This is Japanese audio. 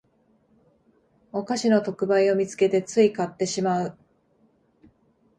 お菓子の特売を見つけてつい買ってしまう